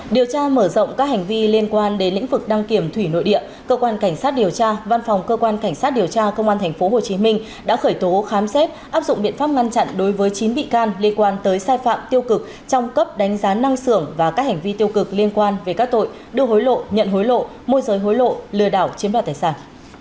điều tra mở rộng các hành vi liên quan đến lĩnh vực đăng kiểm thủy nội địa cơ quan cảnh sát điều tra văn phòng cơ quan cảnh sát điều tra công an tp hcm đã khởi tố khám xét áp dụng biện pháp ngăn chặn đối với chín bị can liên quan tới sai phạm tiêu cực trong cấp đánh giá năng xưởng và các hành vi tiêu cực liên quan về các tội đưa hối lộ nhận hối lộ môi giới hối lộ lừa đảo chiếm đoạt tài sản